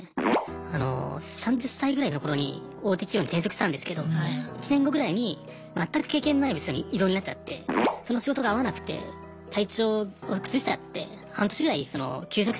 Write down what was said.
あの３０歳ぐらいの頃に大手企業に転職したんですけど１年後ぐらいに全く経験のない部署に異動になっちゃってその仕事が合わなくて体調を崩しちゃって半年ぐらい休職したんですね。